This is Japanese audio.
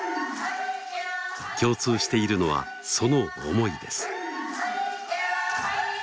共通しているのはその思いです。